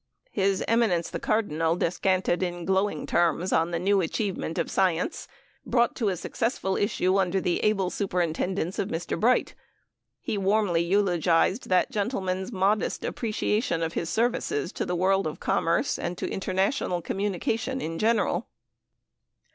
His Eminence the Cardinal descanted in glowing terms on the new achievement of science, brought to a successful issue under the able superintendence of Mr. Bright. He warmly eulogized that gentleman's modest appreciation of his services to the world of commerce and to international communication in general.